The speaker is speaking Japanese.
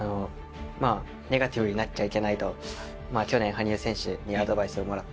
ネガティブになっちゃいけないと去年羽生選手にアドバイスをもらったので。